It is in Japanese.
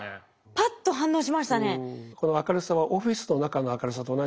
パッと反応しましたね。